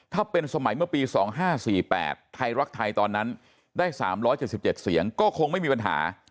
ถ้าเป็นสมัยเมื่อปี๒๕๔๘ไทยรักไทยตอนนั้นได้๓๗๗เสียงก็คงไม่มีปัญหา